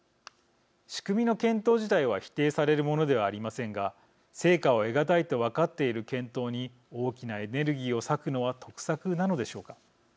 仕組みの検討自体は否定されるものではありませんが成果を得難いと分かっている検討に大きなエネルギーを割くのは得策なのでしょうか。